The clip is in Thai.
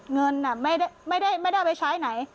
เงินไม่ได้เอาไปใช้ไหน